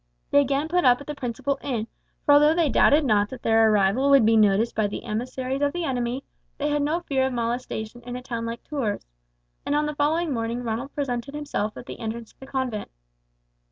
They again put up at the principal inn, for although they doubted not that their arrival would be noticed by the emissaries of the enemy, they had no fear of molestation in a town like Tours. And on the following morning Ronald presented himself at the entrance to the convent.